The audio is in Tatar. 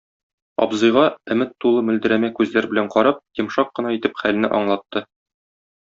Абзыйга, өмет тулы мөлдерәмә күзләр белән карап, йомшак кына итеп хәлне аңлатты.